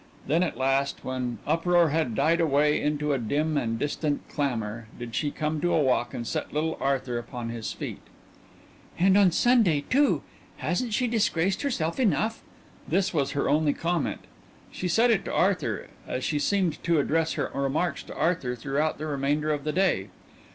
Then at last, when uproar had died away into a dim and distant clamor, did she come to a walk and set little Arthur upon his feet. "And on Sunday, too! Hasn't she disgraced herself enough?" This was her only comment. She said it to Arthur, as she seemed to address her remarks to Arthur throughout the remainder of the day.